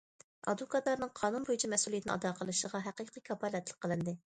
ئادۋوكاتلارنىڭ قانۇن بويىچە مەسئۇلىيىتىنى ئادا قىلىشىغا ھەقىقىي كاپالەتلىك قىلىندى.